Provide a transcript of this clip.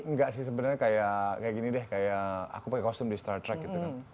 enggak sih sebenarnya kayak gini deh kayak aku pakai kostum di star truck gitu kan